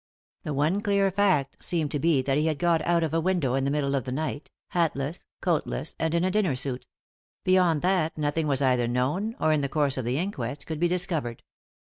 The one clear fact seemed to be that he had got out of a window in the middle of the night, hatless, coatless, and in a dinner suit ; beyond that nothing was either known or, in the course of the inquest, could be discovered.